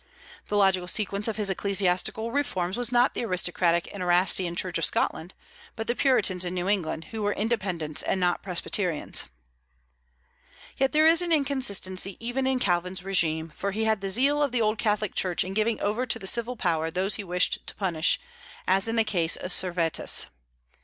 The logical sequence of his ecclesiastical reforms was not the aristocratic and Erastian Church of Scotland, but the Puritans in New England, who were Independents and not Presbyterians. Yet there is an inconsistency even in Calvin's régime; for he had the zeal of the old Catholic Church in giving over to the civil power those he wished to punish, as in the case of Servetus.